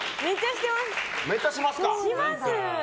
します？